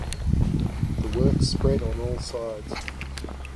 The work spread on all sides.